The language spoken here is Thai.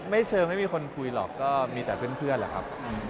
เชิงไม่มีคนคุยหรอกก็มีแต่เพื่อนแหละครับ